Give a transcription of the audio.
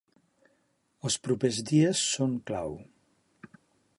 Els propers dies són clau.